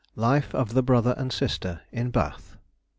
LIFE OF THE BROTHER AND SISTER IN BATH.